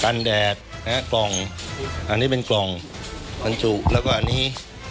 แดดนะฮะกล่องอันนี้เป็นกล่องบรรจุแล้วก็อันนี้